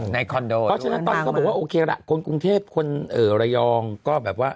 ในคอนโดตอนนี้ก็บอกว่าโอเคละคนกรุงเทพคนระยองก็แบบว่า